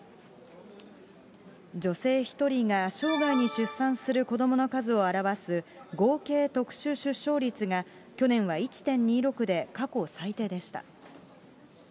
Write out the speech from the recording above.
女性１人が生涯に出産する子どもの数を表す合計特殊出生率が、去年は１．２６で、過去最低でした。